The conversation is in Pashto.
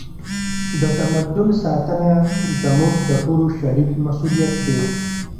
د تمدن ساتنه زموږ د ټولو شریک مسؤلیت دی.